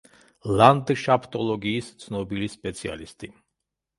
ლანდშაფტოლოგიის ცნობილი სპეციალისტი.